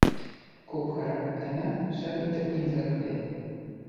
Күп хәрәкәтләнә, шәп итеп имгәкләй.